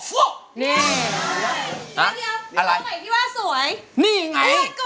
ตอนรับด้วยนะฮะ